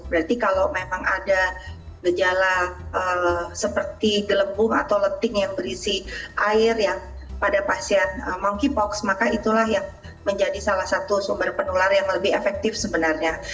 berarti kalau memang ada gejala seperti gelembung atau leting yang berisi air yang pada pasien monkeypox maka itulah yang menjadi salah satu sumber penular yang lebih efektif sebenarnya